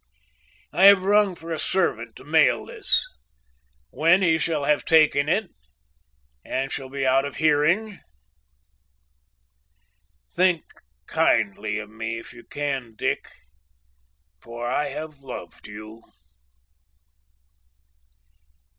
"I have rung for a servant to mail this; when he shall have taken it and shall be out of hearing "Think kindly of me if you can, Dick! for I have loved you."